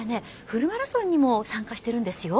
フルマラソンにも参加してるんですよ。